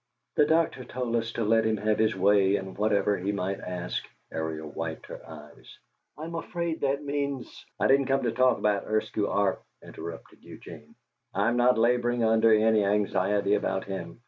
"The doctor told us to let him have his way in whatever he might ask." Ariel wiped her eyes. "I'm afraid that means " "I didn't come to talk about Eskew Arp," interrupted Eugene. "I'm not laboring under any anxiety about him.